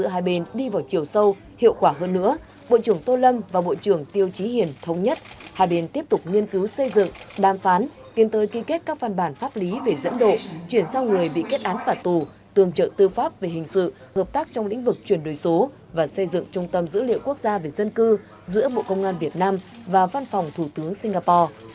hơn nữa bộ trưởng tô lâm và bộ trưởng tiêu trí hiền thống nhất hai bên tiếp tục nghiên cứu xây dựng đàm phán tiến tới ký kết các văn bản pháp lý về dẫn độ chuyển sang người bị kết án phả tù tương trợ tư pháp về hình sự hợp tác trong lĩnh vực chuyển đổi số và xây dựng trung tâm dữ liệu quốc gia về dân cư giữa bộ công an việt nam và văn phòng thủ tướng singapore